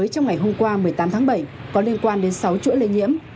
trong ngày hôm qua một mươi tám tháng bảy có liên quan đến sáu chuỗi lây nhiễm